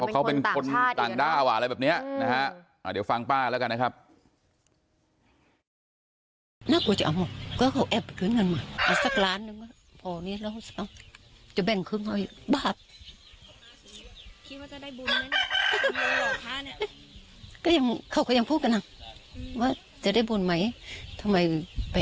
ก็เวลาอีกแหละเพราะเขาเป็นคนต่างชาติเพราะเขาเป็นคนต่างด้าวะอะไรแบบเนี้ยนะฮะ